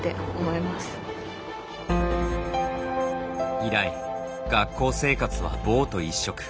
以来学校生活はボート一色。